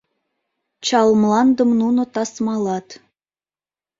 Чал мландым нуно тасмалат.